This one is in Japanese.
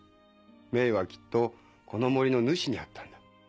メイはきっとこの森の主に会ったんだ。